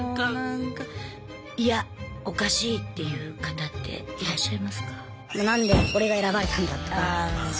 いやおかしいって言う方っていらっしゃいますか？